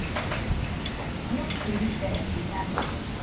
წყვილს შვილი შეეძინა.